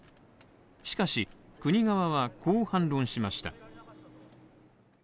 しかし、国側はこう反論しました。